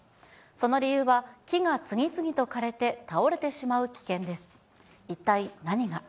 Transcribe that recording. その理由は、木が次々と枯れて、倒れてしまう危険です。